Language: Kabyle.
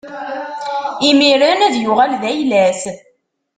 Imiren ad yuɣal d ayla-s.